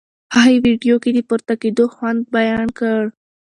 هغې ویډیو کې د پورته کېدو خوند بیان کړ.